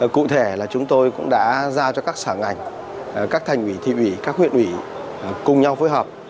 cụ thể là chúng tôi cũng đã giao cho các sở ngành các thành ủy thị ủy các huyện ủy cùng nhau phối hợp